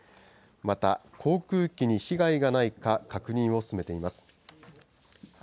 また航空機に被害がないか、確認を進めています。